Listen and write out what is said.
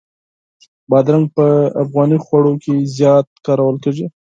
بادرنګ په افغاني خوراک کې زیات کارول کېږي.